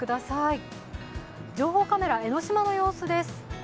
情報カメラ、江の島の様子です。